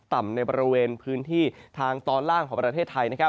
ต่ำประระเวณทางตอนล่างของประเทศไทย